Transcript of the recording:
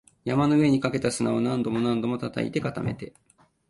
山の上にかけた砂を何度も何度も叩いて、固めて